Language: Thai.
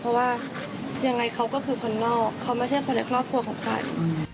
เพราะว่ายังไงเขาก็คือคนนอกเขาไม่ใช่คนในครอบครัวของใคร